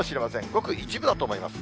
ごく一部だと思います。